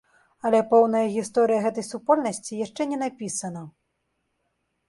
Але поўная гісторыя гэтай супольнасці яшчэ не напісана.